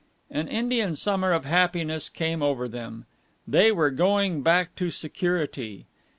An Indian summer of happiness came over them. They were going back to security.